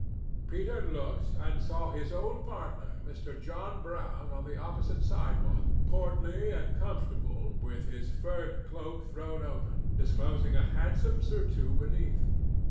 Peter looked, and saw his old partner, Mr. John Brown, on the opposite sidewalk, portly and comfortable, with his furred cloak thrown open, disclosing a handsome surtout beneath.